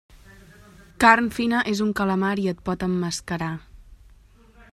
Carn fina és un calamar i et pot emmascarar.